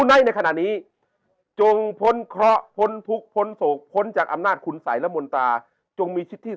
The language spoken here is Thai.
ดีได้เห็นหน้าช้าง